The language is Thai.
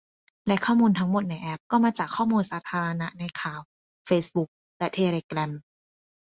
และข้อมูลทั้งหมดในแอปก็มาจากข้อมูลสาธารณะในข่าว เฟซบุ๊ก และเทเลแกรม